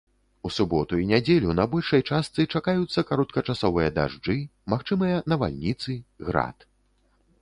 У суботу і нядзелю на большай частцы чакаюцца кароткачасовыя дажджы, магчымыя навальніцы, град.